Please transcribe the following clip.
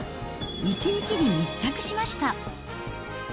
一日に密着しました。